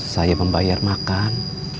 saya membayar makan